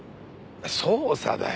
捜査だよ。